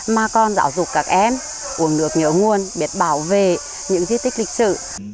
mà còn giáo dục các em uống nước nhớ nguồn biết bảo vệ những di tích lịch sử